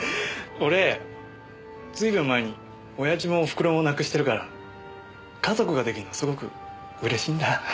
俺ずいぶん前に親父もおふくろも亡くしてるから家族が出来るのすごく嬉しいんだ。